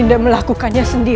untuk tahan anda